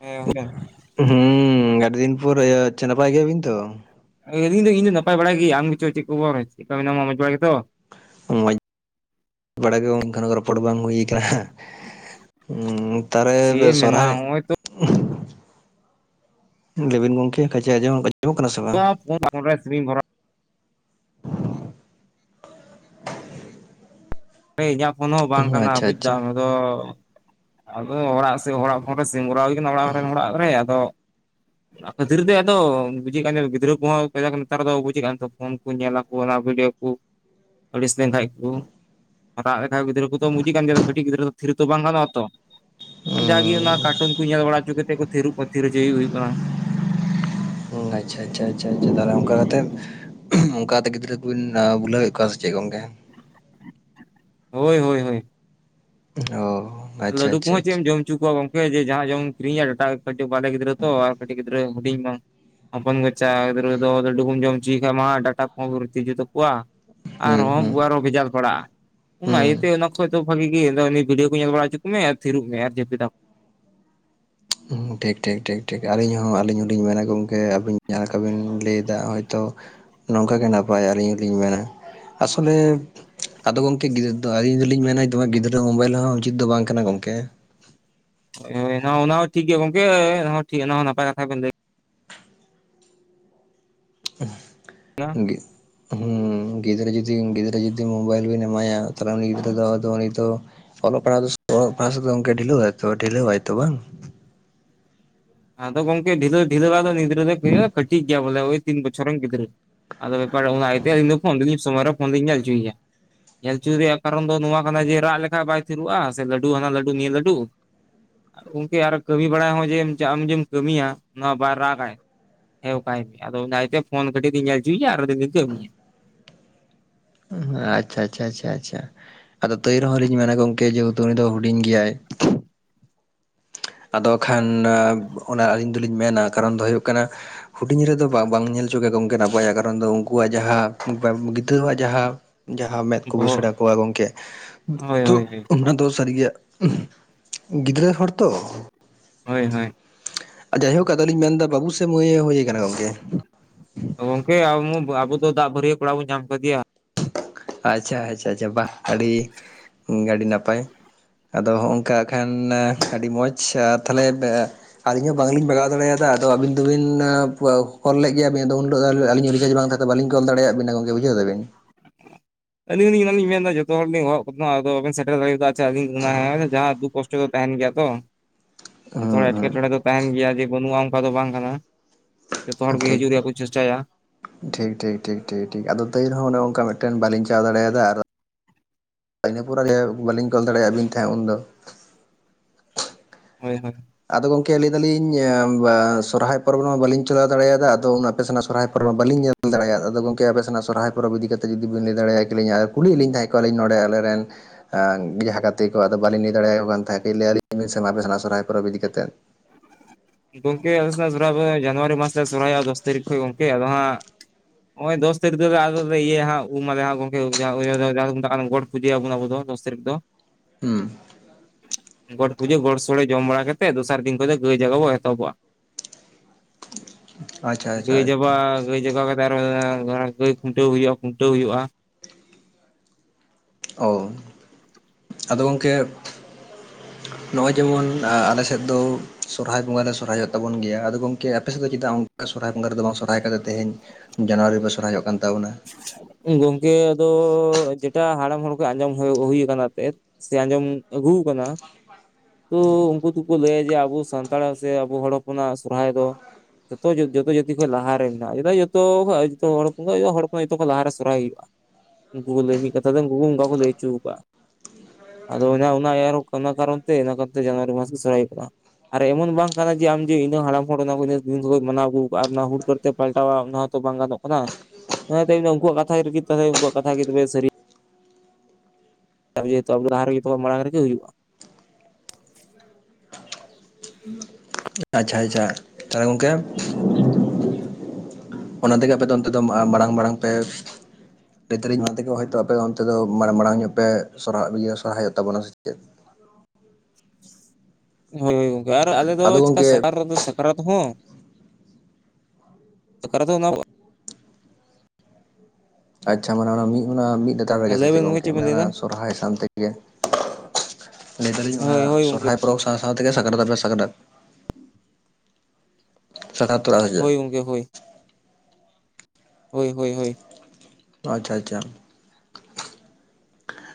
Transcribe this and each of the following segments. ᱦᱮᱸ ᱦᱩᱭ ᱱᱟ ᱾ ᱦᱩᱸ ᱟᱹᱰᱤ ᱫᱤᱱ ᱯᱚᱨ ᱤᱭᱟᱹ ᱪᱷᱟ ᱱᱟᱯᱟᱭ ᱜᱮᱭᱟ ᱵᱤᱱ ᱛᱚ? ᱟᱹᱞᱤᱧ ᱫᱚ ᱤᱧ ᱫᱚ ᱱᱟᱯᱟᱭ ᱵᱟᱲᱟ ᱜᱤ ᱟᱢ ᱜᱤ ᱪᱚ ᱪᱤᱜ ᱠᱚᱚᱵᱚᱨ ᱪᱮᱫ ᱠᱟ ᱢᱮᱱᱟᱢᱟ ᱢᱚᱸᱡᱽ ᱵᱟᱲᱟ ᱜᱤ ᱛᱚ? ᱢᱚᱡᱽ ᱵᱟᱲᱟ ᱜᱮ ᱜᱚᱝ ᱠᱷᱟᱱ ᱨᱚᱯᱚᱲ ᱵᱟᱝ ᱦᱩᱭ ᱠᱟᱱᱟ ᱦᱟᱸ᱾ ᱩᱸ ᱛᱟᱨᱮ ᱪᱮᱫ ᱵᱮ ᱮᱢ ᱢᱮᱱᱟ ᱥᱚᱨᱦᱟᱭᱼᱼ ᱱᱚᱜᱼᱚᱭ ᱛᱚ ᱞᱟᱹᱭ ᱵᱤᱱ ᱜᱚᱝᱠᱮ ᱠᱟᱪᱷᱟ ᱟᱸᱡᱚᱢ ᱠᱚᱡᱼᱼ [unintelligible] ᱤᱧᱟᱜ ᱯᱷᱳᱱ ᱦᱚᱸ ᱵᱟᱝ ᱠᱟᱱᱟ ᱟᱪᱪᱷᱟ ᱵᱩᱡᱽ ᱟᱪᱪᱷᱟ ᱫᱟᱢ ᱟᱫᱚ, ᱟᱫᱚ ᱚᱲᱟᱜ ᱥᱮ ᱚᱲᱟᱜᱼᱼ ᱚᱸᱰᱮ ᱥᱤᱢᱩ ᱨᱟᱣ ᱦᱩᱭ ᱠᱟᱱᱟ ᱚᱲᱟᱜ ᱦᱚᱲ ᱨᱮᱱ ᱚᱲᱟᱜ ᱨᱮ ᱟᱫᱚ [inaudible] ᱱᱟ ᱠᱷᱟᱹᱛᱤᱨ ᱛᱮ ᱟᱫᱚ ᱵᱩᱡᱮᱫ ᱠᱟᱱ ᱜᱤᱫᱽᱨᱟᱹ ᱠᱩᱦᱚᱸ ᱠᱟᱡᱟᱠ‌ ᱱᱮᱛᱟᱨ ᱫᱚ ᱵᱩᱡᱮ ᱠᱟᱱ ᱯᱷᱳᱱ ᱠᱚ ᱧᱮᱞᱼᱟ ᱠᱚ ᱚᱱᱟ ᱵᱷᱤᱰᱭᱳ ᱠᱩ ᱟᱹᱲᱤᱥ ᱞᱮᱱ ᱠᱷᱟᱡ ‌ᱠᱩ᱾ ᱦᱟᱛᱟᱣ ᱞᱮᱠᱷᱟᱜ ᱜᱤᱫᱽᱨᱟᱹ ᱠᱩᱫᱚ ᱵᱩᱡᱤ ᱠᱟᱱ ᱜᱮᱭᱟ ᱠᱟᱹᱴᱤᱡ ᱜᱤᱫᱽᱨᱟᱹ ᱫᱚ ᱛᱷᱤᱨ ᱛᱚ ᱵᱟᱝ ᱜᱟᱱᱚᱜᱼᱟ ᱛᱚ᱾ ᱡᱟᱜᱤ ᱚᱱᱟ ᱠᱟᱨᱴᱩᱱ ᱠᱩ ᱧᱮᱞ ᱵᱟᱲᱟ ᱪᱩ ᱠᱟᱛᱮᱫ ᱠᱚ ᱛᱷᱤᱨᱩᱜ ᱛᱷᱤᱨ ᱪᱩᱭ ᱦᱩᱭᱩᱜ ᱠᱟᱱᱟ᱾ ᱦᱩᱸ ᱟᱪᱪᱷᱟ ᱟᱪᱪᱷᱟ ᱟᱪᱪᱷᱟ ᱛᱟᱞᱦᱮ‌ ᱚᱱᱠᱟ ᱠᱟᱛᱮᱫ ᱩᱱᱠᱟ ᱠᱟᱛᱮ ᱜᱤᱫᱽᱨᱟᱹ ᱠᱩᱵᱤᱱ ᱵᱷᱩᱞᱟᱹᱣᱼᱮᱜ ᱠᱚᱣᱟ ᱥᱮ ᱪᱮᱜ ᱜᱚᱝᱠᱮ? ᱦᱳᱭ ᱦᱳᱭ᱾ ᱦᱳᱭ ᱚ᱾ ᱟᱪᱪᱷᱟ ᱞᱟᱹᱰᱩ ᱠᱚ ᱟᱪᱪᱷᱟ ᱦᱚᱸᱪᱮᱜ ᱮᱢ ᱟᱪᱪᱷᱟ ᱡᱚᱢᱼᱼ ᱪᱩ ᱠᱚᱣᱟ ᱜᱚᱝᱠᱮ ᱡᱮ ᱡᱟᱦᱟᱸ ᱡᱚᱢ ᱮᱢ ᱠᱤᱨᱤᱧᱟ ᱰᱟᱴᱟ ᱠᱟᱹᱴᱤᱡ ᱵᱟᱞᱮ ᱜᱤᱫᱽᱨᱟᱹ ᱛᱚ ᱟᱨ ᱠᱟᱹᱴᱤᱡ ᱜᱤᱫᱽᱨᱟᱹ ᱦᱩᱰᱤᱧ ᱢᱟᱼᱼ ᱦᱚᱯᱚᱱ ᱜᱟᱪᱟ ᱜᱤᱫᱽᱨᱟᱹ ᱫᱚ ᱞᱟᱹᱰᱩᱢ ᱡᱚᱢ ᱪᱩᱭᱤ ᱠᱷᱟᱡ ᱢᱟ ᱰᱟᱴᱟ ᱠᱩᱦᱚᱸ ᱨᱩᱪᱤ ᱡᱩᱜ ᱛᱟᱹᱠᱩᱣᱟ᱾ ᱟᱨ ᱦᱩᱸ ᱦᱚᱸ ᱦᱩᱸ ᱵᱩᱣᱟᱨ ᱦᱚᱸ ᱵᱷᱮᱡᱟᱞ ᱯᱟᱲᱟᱜ-ᱟ ᱚᱱᱟ ᱦᱩᱸ ᱤᱭᱟᱹᱛᱮ ᱚᱱᱟ ᱠᱷᱚᱡ ᱫᱚ ᱵᱷᱟᱜᱤ ᱜᱮ ᱱᱤ ᱵᱷᱤᱰᱭᱳ ᱠᱩ ᱧᱮᱞ ᱵᱟᱲᱟᱼᱼ ᱡᱩᱠ ᱢᱮ ᱟᱨ ᱛᱷᱤᱨᱩᱜ ᱢᱮ ᱟᱨ ᱡᱟᱹᱯᱤ ᱫᱟᱢ᱾ ᱦᱩᱸ ᱴᱷᱮᱠ ᱴᱷᱮᱠ ᱴᱷᱮᱠ ᱴᱷᱮᱠ ᱟᱞᱤᱧ ᱦᱚᱸ ᱟᱹᱞᱤᱧ ᱦᱚ ᱸᱞᱤᱧ ᱢᱮᱱᱟ ᱜᱚᱝᱠᱮ ᱟᱵᱤᱱ ᱡᱟᱦᱟᱸ ᱞᱮᱠᱟ ᱵᱤᱱ ᱞᱟᱹᱭ ᱫᱟ ᱦᱚᱭ ᱛᱚᱼᱼ ᱱᱚᱝᱠᱟ ᱜᱮ ᱱᱟᱯᱟᱭ ᱦᱚᱸ ᱞᱤᱧ ᱢᱮᱱᱼᱟ ᱟᱥᱚᱞᱮ ᱟᱫᱚ ᱜᱚᱝᱠᱮ ᱜᱤᱫᱽᱨᱟᱹ ᱫᱚ ᱟᱞᱤᱧ ᱫᱚᱞᱤᱧ ᱢᱮᱱᱼᱟ ᱫᱚᱢᱮ ᱜᱤᱫᱽᱨᱟᱹ ᱦᱚᱸ ᱢᱳᱵᱟᱭᱤᱞ ᱦᱚᱸ ᱩᱪᱤᱛ ᱫᱚ ᱵᱟᱝ ᱠᱟᱱᱟ ᱜᱟᱝᱠᱮ᱾ ᱦᱳᱭ ᱦᱚᱭ ᱚᱱᱟ ᱚᱱᱟ ᱦᱚᱸ ᱴᱷᱤᱠ ᱜᱮᱭᱟ ᱜᱚᱝᱠᱮ ᱚᱱᱟ ᱦᱚᱸ ᱴᱷᱤᱠ ᱚᱱᱟ ᱦᱚᱸ ᱱᱟᱯᱟᱭ ᱠᱟᱛᱷᱟ ᱵᱮᱱ ᱞᱟᱹᱭ ᱠᱮᱫᱟ ᱦᱩᱸ ᱜᱤᱜ ᱦᱩᱸ ᱜᱤᱫᱽᱨᱟᱹ ᱡᱩᱫᱤᱢ ᱜᱤᱫᱽᱨᱟᱹ ᱡᱩᱫᱤ ᱡᱩᱫᱤ ᱢᱩᱵᱟᱭᱤᱞ ᱵᱤᱱ ᱮᱢᱟ ᱭᱟ ᱛᱟᱞᱦᱮ ᱩᱱᱤ ᱜᱤᱫᱽᱨᱟᱹ ᱫᱚ ᱟᱫᱚ ᱩᱱᱤ ᱛᱚ ᱚᱞᱚᱜ ᱯᱟᱲᱦᱟᱣ ᱫᱚᱥ ᱚᱞᱚᱜ ᱯᱟᱲᱦᱟᱣ ᱥᱮᱫ ᱫᱚ ᱜᱚᱝᱠᱮ ᱰᱷᱤᱞᱟᱹ ᱣᱟᱭ ᱛᱚ ᱰᱷᱤᱞᱟᱹ ᱣᱟᱭ ᱛᱚ ᱵᱟᱝ᱾ ᱟᱫᱚ ᱜᱚᱝᱠᱮ ᱰᱷᱤᱞᱟᱹᱣ ᱰᱷᱤᱞᱟᱹ ᱵᱟ ᱫᱚ ᱱᱤᱭ ᱜᱤᱫᱽᱨᱟᱹ ᱫᱚ ᱮᱭ ᱠᱟᱹᱴᱤᱡ ᱜᱮᱭᱟ᱾ ᱵᱚᱞᱮ ᱩᱱᱤ ᱛᱤᱱ ᱵᱚᱪᱷᱚᱨ ᱨᱮᱱ ᱜᱤᱫᱽᱨᱟᱹ ᱟᱫᱚ ᱵᱮᱯᱟᱨ ᱫᱚ ᱚᱱᱟ ᱤᱭᱟᱹᱛᱮ ᱤᱧ ᱫᱚ ᱯᱷᱳᱱ ᱫᱚᱧ ᱥᱚᱢᱚᱭ ᱨᱮ ᱯᱷᱚᱱ ᱫᱚᱧ ᱧᱮᱞ ᱚᱪᱩᱭ ᱜᱮᱭᱟ ᱧᱮᱞ ᱩᱪᱩ ᱨᱮᱭᱟᱜ ᱠᱟᱨᱚᱱ ᱫᱚ ᱱᱚᱣᱟ ᱠᱟᱱᱟ ᱡᱮ ᱨᱟᱜ ᱞᱮᱠᱷᱟᱡ ᱵᱟᱭ ᱛᱷᱤᱨᱩᱜᱼᱟ ᱥᱮ ᱞᱟᱹᱰᱩ ᱦᱟᱱᱟ ᱞᱟᱹᱰᱩ ᱱᱤᱭᱟᱹ ᱞᱟᱹᱰᱩ ᱜᱚᱝᱠᱮ ᱟᱨ ᱠᱟᱹᱢᱤ ᱵᱟᱲᱟᱭ ᱦᱚᱸ ᱡᱮ ᱟᱢ ᱡᱮᱢ ᱠᱟᱹᱢᱤᱭᱟ ᱱᱚᱶᱟ ᱵᱟᱭ ᱨᱟᱜᱟᱭ᱾ ᱦᱮᱸ ᱵᱟᱠᱷᱟᱭ ᱟᱫᱚ ᱚᱱᱟ ᱤᱭᱟᱹ ᱛᱮ ᱯᱷᱳᱱ ᱠᱟᱹᱴᱤᱡ ᱞᱤᱧ ᱧᱮᱞ ᱪᱩᱭ ᱭᱟ ᱟᱨ ᱫᱩ ᱞᱤᱧ ᱠᱟᱹᱢᱤᱭᱟ᱾ ᱦᱚᱸ ᱟᱪᱪᱷᱟ ᱟᱪᱪᱷᱟ ᱟᱪᱪᱷᱟ ᱟᱪᱪᱷᱟ ᱟᱫᱚ ᱛᱟᱹᱭ ᱨᱮᱦᱚᱸ ᱞᱤᱧ ᱢᱮᱱᱼᱟ ᱜᱚᱝᱠᱮ ᱡᱳᱨ ᱛᱟ ᱩᱱᱤ ᱫᱚ ᱦᱩᱰᱤᱧ ᱜᱮᱭᱟᱭ ᱟᱫᱚ ᱠᱷᱟᱱ ᱱᱟ ᱚᱱᱟ ᱟᱹᱞᱤᱧ ᱫᱩᱞᱤᱧ ᱢᱮᱱᱼᱟ ᱠᱟᱨᱚᱱ ᱫᱚ ᱦᱳᱭᱳᱜ ᱠᱟᱱᱟ ᱦᱩᱰᱤᱧ ᱨᱮᱫᱚ ᱵᱟᱝ ᱵᱟᱝ ᱧᱮᱞ ᱪᱚ ᱜᱮ ᱜᱚᱝᱠᱮ ᱱᱟᱯᱟᱭᱟ ᱠᱟᱨᱚᱱ ᱫᱚ ᱩᱱᱠᱩ ᱣᱟᱜ ᱡᱟᱦᱟᱸ [unintelligible] ᱜᱤᱫᱽᱨᱟᱹ ᱣᱟᱜ ᱡᱟᱦᱟᱸ ᱡᱟᱦᱟᱸ ᱢᱮᱫ ᱠᱚ ᱵᱚᱦᱚᱜ ᱵᱩᱥᱟᱹᱲᱟ ᱠᱚᱣᱟ ᱜᱚᱝᱠᱮ ᱦᱳᱭ ᱛᱩᱜ ᱦᱳᱭ ᱦᱳᱭ ᱩᱱᱟ ᱫᱚ ᱥᱟᱹᱨᱤ ᱜᱮ ᱦᱟᱸᱜ ᱩᱸᱦ ᱜᱤᱫᱽᱨᱟᱹ ᱦᱚᱲ ᱛᱚ᱾ ᱦᱚᱭ ᱦᱚᱭ᱾ ᱡᱟᱭᱦᱳᱠ ᱟᱫᱚ ᱞᱤᱧ ᱢᱮᱱᱫᱟ ᱵᱟᱹᱵᱩ ᱥᱮ ᱢᱟᱹᱭ ᱮ ᱦᱩᱭ ᱟᱠᱟᱱᱟ ᱜᱚᱝᱠᱮ ᱜᱚᱝᱠᱮ [unintelligible] ᱟᱹᱵᱩ ᱫᱚ ᱫᱟᱜ ᱵᱷᱟᱹᱨᱭᱟᱹ ᱠᱚᱲᱟ ᱵᱩᱱ ᱧᱟᱢ ᱠᱟᱫᱮᱭᱟ᱾ ᱟᱪᱪᱷᱟ ᱟᱪᱪᱷᱟ ᱟᱪᱪᱷᱟ ᱵᱟ ᱟᱹᱰᱤ ᱜᱮ ᱟᱹᱰᱤ ᱱᱟᱯᱟᱭ ᱟᱫᱚ ᱦᱚᱸᱦᱚᱝᱠᱟ ᱠᱷᱟᱱ ᱟᱹᱰᱤ ᱢᱚᱡᱽ ᱟᱨ ᱛᱟᱦᱞᱮ ᱵᱮ ᱟᱹᱞᱤᱧ ᱦᱚᱸ ᱵᱟᱝᱞᱤᱧ ᱵᱟᱜᱟᱣ ᱫᱟᱲᱮᱭᱟᱫᱟ ᱟᱫᱚ ᱟᱹᱵᱤᱱ ᱫᱚᱵᱤᱱ ᱠᱚᱞ ᱞᱮᱫ ᱜᱮᱭᱟ ᱵᱤᱱ ᱟᱫᱚ ᱩᱱ ᱦᱤᱞᱳᱜ ᱫᱚ ᱟᱹᱞᱤᱧ ᱨᱤᱪᱟᱨᱡᱽ ᱵᱟᱝ ᱛᱟᱦ ᱛᱟᱦᱮᱫ ᱵᱟᱹᱞᱤᱧ ᱠᱚᱞ ᱫᱟᱲᱮᱭᱟᱜ ᱵᱤᱱᱟ ᱜᱚᱝᱠᱮ ᱵᱩᱡᱷᱟᱹᱣ ᱫᱟᱵᱮᱱ ᱟᱹᱞᱤᱧ ᱞᱤᱧ ᱚᱱᱟ ᱞᱤᱧ ᱢᱮᱱ ᱫᱟ ᱡᱚᱛᱚ ᱦᱚᱲ ᱞᱤᱧ ᱦᱚᱦᱚ ᱣᱟᱜ ᱠᱚ ᱛᱟᱦᱮᱱᱟ ᱟᱫᱚ ᱵᱟᱵᱮᱱ ᱥᱮᱴᱮᱨ ᱫᱟᱲᱮᱭᱟᱫᱟᱜ ᱟᱪᱷᱟ ᱟᱹᱞᱤᱧ ᱜᱩᱱᱟᱹᱱ ᱱᱟ ᱦᱮᱸ ᱵᱚᱞᱮ ᱡᱟᱦᱟᱸ ᱫᱩᱠ ᱠᱚᱥ ᱪᱚ ᱛᱟᱸᱦᱮᱱ ᱜᱮᱭᱟ ᱛᱚ᱾ ᱦᱩᱸ ᱛᱷᱚᱲᱟ ᱮᱴᱠᱮᱴᱚᱬᱮ ᱦᱩᱸ ᱫᱚ ᱛᱟᱦᱮᱱ ᱜᱮᱭᱟ ᱡᱮ ᱵᱟᱹᱱᱩᱜᱼᱟ ᱚᱝᱠᱟ ᱫᱚ ᱵᱟᱝ ᱠᱟᱱᱟ ᱡᱚᱛᱚ ᱦᱚᱲ ᱜᱮ ᱴᱷᱤᱠ ᱦᱤᱡᱩᱜ ᱨᱮᱭᱟᱜ ᱠᱩ ᱪᱮᱥᱴᱟᱭᱟ᱾ ᱴᱷᱤᱠ ᱴᱷᱤᱠ ᱴᱷᱤᱠ ᱴᱷᱤᱠ ᱴᱷᱤᱠ ᱟᱫᱚ ᱛᱟᱹᱭ ᱨᱮᱦᱚᱸ ᱚᱱᱮ ᱚᱝᱠᱟ ᱢᱤᱫᱴᱮᱱ ᱵᱟᱹᱞᱤᱧ ᱪᱟᱞᱟᱣ ᱫᱟᱲᱮᱭᱟᱫᱟ ᱟᱨ ᱤᱱᱟᱹ ᱯᱚᱨᱮ ᱜᱮ ᱵᱟᱹᱞᱤᱧ ᱠᱚᱞ ᱫᱟᱲᱮᱭᱟᱜ ᱵᱤᱱ ᱛᱟᱦᱮᱸᱫ ᱩᱱ ᱫᱚ ᱦᱳᱭ ᱦᱳᱭ ᱟᱫᱚ ᱜᱚᱝᱠᱮ ᱞᱟᱹᱭ ᱫᱟᱹᱞᱤᱧ ᱥᱚᱨᱦᱟᱭ ᱯᱚᱨᱚᱵᱽ ᱨᱮ ᱢᱟ ᱵᱟᱹᱞᱤᱧ ᱪᱟᱞᱟᱣ ᱫᱟᱲᱮᱭᱟᱫᱟ ᱟᱫᱚ ᱟᱯᱮ ᱥᱮᱱᱟᱜ ᱥᱚᱨᱦᱟᱭ ᱯᱚᱨᱚᱵᱽ ᱵᱟᱹᱞᱤᱧ ᱧᱮᱞ ᱫᱟᱲᱮᱭᱟᱜ, ᱟᱫᱚ ᱜᱚᱝᱠᱮ ᱟᱯᱮ ᱥᱮᱱᱟᱜ ᱥᱚᱨᱦᱟᱭ ᱯᱚᱨᱚᱵᱽ ᱤᱫᱤ ᱠᱟᱛᱮ ᱡᱩᱫᱤ ᱵᱮᱱ ᱞᱟᱹᱭ ᱫᱟᱲᱮᱭᱟ ᱠᱤᱞᱤᱧᱟ ᱟᱨ ᱠᱩᱞᱤᱭᱮᱫ ᱞᱤᱧ ᱛᱟᱦᱮᱸ ᱠᱚ ᱟᱹᱞᱤᱧ ᱱᱚᱸᱰᱮ ᱟᱞᱮ ᱨᱮᱱ᱾ ᱦᱟᱸᱜ ᱸᱡᱟᱦᱟᱸ ᱜᱟᱛᱮ ᱠᱩ ᱟᱫᱚ ᱵᱟᱹᱞᱤᱧ ᱞᱟᱹᱭ ᱫᱟᱲᱮᱭᱟᱠᱚ ᱠᱟᱱ ᱛᱟᱦᱮᱸᱫ ᱠᱟ. ᱡᱽ ᱞᱟᱹᱭ ᱟᱹᱞᱤᱧ ᱵᱤᱱ ᱟᱯᱮ ᱥᱮᱱᱟᱜ ᱥᱚᱨᱦᱟᱭ ᱯᱚᱨᱚᱵᱽ ᱤᱫᱤ ᱠᱟᱛᱮᱫ ᱜᱚᱝᱠᱮ ᱟᱞᱮ ᱥᱮᱱᱟᱜ ᱥᱚᱨᱦᱟᱭ ᱵᱚᱸᱜᱟ ᱡᱟᱱᱩᱣᱟᱨᱤ ᱢᱟᱥ ᱨᱮ ᱥᱚᱨᱦᱟᱭᱚᱜ ᱫᱚᱥ ᱛᱟᱹᱨᱤᱠᱷ ᱠᱷᱚᱡ ᱜᱚᱝᱠᱮ ᱟᱫᱚ ᱦᱟᱸᱜ [unintelligible] ᱯᱩᱡᱟᱹ ᱭᱟᱵᱩᱱ ᱟᱹᱵᱩ ᱫᱚ ᱫᱚᱥ ᱛᱟᱹᱨᱤᱠᱷ ᱫᱚ ᱦᱩᱸ ᱜᱚᱴ ᱯᱩᱡᱟᱹ ᱜᱚᱴ ᱥᱳᱲᱮ ᱡᱚᱢ ᱵᱟᱲᱟ ᱠᱟᱛᱮᱫ ᱫᱚᱥᱟᱨ ᱫᱤᱱ ᱠᱷᱚᱡ ᱫᱚ ᱜᱟᱹᱭ ᱡᱟᱜᱟᱣ ᱮᱦᱚᱵ ᱛᱚᱵᱟ ᱟᱪᱪᱷᱟ ᱜᱟᱹᱭ ᱟᱪᱪᱷᱟ ᱟᱪᱪᱷᱟ ᱡᱚᱵᱟ ᱜᱟᱹᱭ ᱡᱟᱜᱟ [unintelligible] ᱜᱟᱹᱭ ᱠᱷᱩᱱᱴᱟᱹᱣ ᱦᱩᱭᱩᱜᱼᱟ ᱠᱷᱩᱱᱴᱟᱹᱣ ᱦᱩᱭᱩᱜᱼᱟ᱾ ᱚ ᱟᱫᱚ ᱜᱚᱝᱠᱮ ᱱᱚᱜᱼᱚᱭ ᱡᱮᱢᱚᱱ ᱟᱞᱮᱥᱮᱫ ᱫᱚ ᱥᱚᱨᱦᱟᱭ ᱵᱚᱸᱜᱟ ᱞᱮ ᱥᱚᱨᱦᱟᱭᱚᱜ ᱛᱟᱵᱚᱱ ᱜᱮᱭᱟ ᱟᱫᱚ ᱜᱚᱝᱠᱮ ᱟᱯᱮᱥᱮᱫ ᱫᱚ ᱪᱮᱫᱟᱜ ᱥᱚᱨᱦᱟᱭ ᱵᱚᱸᱜᱟ ᱨᱮᱫᱚ ᱵᱟᱝ ᱥᱚᱨᱦᱟᱭ ᱠᱟᱛᱮᱫ ᱛᱮᱦᱮᱧ ᱡᱟᱱᱣᱟᱨᱤ ᱨᱮᱯᱮ ᱥᱚᱨᱦᱟᱭᱚᱜ ᱠᱟᱱ ᱛᱟᱵᱩᱱᱟ᱾ ᱜᱚᱝᱠᱮ ᱟᱫᱚ ᱡᱮᱴᱟ ᱦᱟᱲᱟᱢ ᱦᱚᱲ ᱠᱚ ᱟᱸᱡᱚᱢ ᱦᱩ ᱦᱩᱭ ᱠᱟᱱᱟ ᱮᱛᱮᱫ ᱥᱮ ᱟᱸᱡᱚᱢ ᱟᱹᱜᱩ ᱟᱠᱟᱱᱟ᱾ [unintelligible] ᱛᱩ ᱩᱝᱠᱩ ᱫᱩᱠᱩ ᱞᱟᱹᱭᱟ ᱡᱮ ᱟᱹᱵᱩ ᱥᱟᱱᱛᱟᱲ ᱥᱮ ᱟᱹᱵᱩ ᱦᱚᱲ ᱦᱚᱯᱚᱱᱟᱜ ᱥᱚᱨᱦᱟᱭ ᱫᱚ ᱡᱚᱛᱚ ᱡᱚᱛᱚ ᱡᱟᱹᱛᱤ ᱠᱷᱚᱡ ᱞᱟᱦᱟ ᱨᱮ ᱢᱮᱱᱟᱜᱼᱟ ᱡᱮᱫ ᱡᱚᱛᱚ ᱠᱷᱚᱡ ᱡᱚᱛ ᱦᱚᱲ ᱦᱚᱯᱚᱱ ᱠᱷᱚᱡ ᱫᱚ ᱦᱚᱲ ᱦᱚᱭ ᱛᱚ ᱠᱷᱚᱡ ᱞᱟᱦᱟ ᱨᱮ ᱥᱚᱨᱦᱟᱭ ᱦᱩᱭᱩᱜᱼᱟ ᱩᱝᱠᱩ ᱠᱩ ᱞᱟᱹᱭ ᱢᱤᱫ ᱠᱟᱛᱷᱟ ᱛᱮ ᱫᱚ ᱩᱝᱠᱩ ᱠᱩ ᱚᱝᱠᱟ ᱠᱩ ᱞᱟᱹᱭ ᱩᱪᱩ ᱠᱟᱜᱼᱟ ᱟᱫᱚ ᱚᱱᱟ ᱚᱱᱟ ᱚᱱᱟ ᱠᱟᱨᱚᱱ ᱛᱮ ᱤᱱᱟᱠᱟᱛᱮ [unintelligible] ᱥᱚᱨᱦᱟᱭᱚᱜ ᱼᱟ᱾ ᱟᱨ ᱮᱢᱚᱱ ᱵᱟᱝ ᱠᱟᱱᱟ ᱡᱮ ᱟᱢ ᱡᱮ ᱤᱱᱟᱹ ᱦᱟᱲᱟᱢ ᱦᱚᱲ ᱚᱱᱟ ᱠᱩ ᱡᱤᱱᱤᱥ ᱠᱩ ᱢᱟᱱᱟᱣ ᱟᱹᱜᱩᱣ ᱠᱟᱜ ᱼᱟ ᱟᱨ ᱚᱱᱟ ᱦᱩᱲᱠᱟᱹᱲ ᱯᱟᱞᱴᱟᱣᱟ ᱚᱱᱟ ᱦᱚᱛᱚ ᱵᱟᱝ ᱜᱟᱱᱚᱜ ᱠᱟᱱᱟ᱾ ᱦᱮᱸ ᱮᱛᱮᱜ ᱤᱧᱫᱚ ᱩᱝᱠᱩᱣᱟᱜ ᱠᱟᱛᱷᱟ ᱨᱮᱜᱮ ᱛᱟᱦᱮᱧ ᱩᱝᱠᱩᱣᱟᱜ ᱠᱟᱛᱷᱟ ᱜᱮ ᱛᱚᱵᱮ ᱥᱟᱹᱨᱤ [unintelligible] ᱞᱟᱦᱟ ᱨᱮᱜᱮ ᱢᱟᱲᱟᱝ ᱨᱮᱜᱮ ᱦᱩᱭᱩᱜᱼᱟ ᱾ ᱟᱪᱷᱟ ᱟᱪᱷᱟ ᱛᱟᱦᱞᱮ ᱜᱚᱝᱠᱮ᱾ ᱚᱱᱟ ᱛᱮᱜᱮ ᱟᱯᱮ ᱫᱚ ᱚᱱᱛᱮ ᱫᱚ ᱢᱟᱲᱟᱝ, ᱢᱟᱲᱟᱝ ᱢᱟᱲᱟᱝ ᱯᱮ [unintelligible] ᱚᱱᱟ ᱛᱮᱜᱮ ᱦᱚᱭᱛᱳ ᱟᱯᱮ ᱫᱚ ᱚᱱᱛᱮ ᱫᱚ ᱢᱟᱲᱟᱝ ᱢᱟᱲᱟᱝ ᱧᱚᱜ ᱯᱮ ᱥᱚᱨᱦᱟᱭ ᱤᱭᱟᱹ ᱥᱚᱨᱦᱟᱭᱚᱜ ᱛᱟᱵᱩᱱᱟ ᱥᱮ ᱪᱮᱫ ᱦᱳᱭ ᱦᱳᱭ ᱜᱚᱝᱠᱮ ᱟᱨ ᱟᱞᱮ ᱫᱚ ᱟᱫᱚ ᱪᱤᱠᱟ ᱜᱚᱝᱠᱮ ᱥᱟᱹᱦᱟᱨ ᱨᱮᱫᱚ ᱥᱟ ᱥᱟᱠᱨᱟᱛ ᱦᱚᱸ ᱥᱟᱠᱨᱟᱛ ᱦᱚᱸ ᱚᱱᱟ ᱟᱪᱪᱷᱟ ᱢᱟᱱᱮ ᱚᱱᱟ ᱢᱤᱫ ᱢᱚᱱᱟᱜ ᱢᱤᱫ ᱴᱮᱜ ᱨᱮᱜᱮᱥᱮ ᱞᱟᱹᱭ ᱪᱮᱫ ᱵᱮᱱ ᱜᱚᱝᱠᱮ ᱵᱮᱱ ᱞᱟᱹᱭ ᱚᱱᱟ ᱮᱫᱟ ᱥᱚᱨᱦᱟᱭ ᱥᱟᱸᱜ ᱛᱮᱜᱮ ᱞᱟᱹᱭ ᱫᱟᱹᱞᱤᱧ ᱚᱱᱟ ᱦᱳᱭ ᱦᱳᱭ ᱜᱚᱝᱠᱮ ᱥᱚᱨᱦᱟᱭ ᱯᱚᱨᱚᱵᱽ ᱥᱟᱶ ᱥᱟᱶ ᱛᱮᱜᱮ ᱥᱟᱠᱨᱟᱛ ᱫᱚᱯᱮ ᱥᱟᱠᱨᱟᱛ ᱥᱟᱠᱨᱟᱛ ᱛᱚᱨᱟ ᱟᱹᱧ ᱾ ᱦᱳᱭ ᱜᱚᱝᱠᱮ ᱦᱳᱭ, ᱦᱳᱭ ᱦᱳᱭ ᱦᱳᱭ ᱟᱪᱪᱷᱟ ᱟᱪᱪᱷᱟ